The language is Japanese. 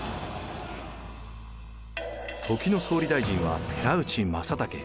時の総理大臣は寺内正毅。